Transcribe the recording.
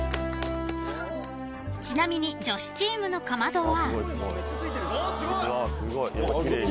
［ちなみに女子チームのかまどは］